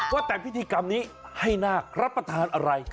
ว่าแต่พิธีกรรมนี้ให้นาครับประทานอะไร